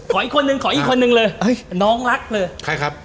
ขออีกคนนึงน้องรัก